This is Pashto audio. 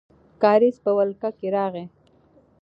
کارېز په ولکه کې راغی.